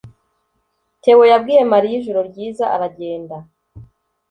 Theo yabwiye Mariya ijoro ryiza aragenda